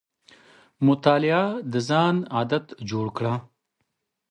مطالعه د ځان عادت جوړ کړه.